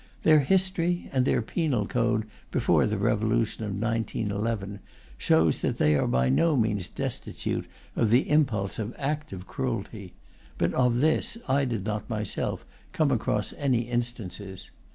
Their history, and their penal code before the revolution of 1911, show that they are by no means destitute of the impulse of active cruelty; but of this I did not myself come across any instances.